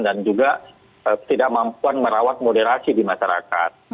dan juga tidak mampuan merawat moderasi di masyarakat